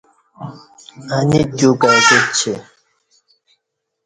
انی تیو کائی کوچی